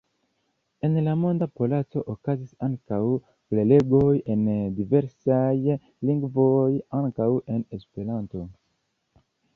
En la Monda Palaco okazis ankaŭ prelegoj en diversaj lingvoj, ankaŭ en Esperanto.